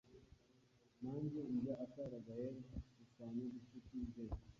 nanjye ndya akara Gaelle akusanya inshuti z